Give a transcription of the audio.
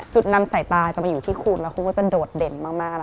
นำสายตาจะไปอยู่ที่คุณแล้วคุณก็จะโดดเด่นมาก